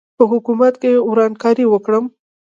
په حکومت کې ورانکاري وکړم.